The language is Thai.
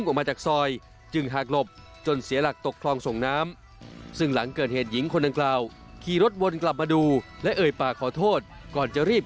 กำลังจะไปไหนอ่ะครับกลับบ้านครับ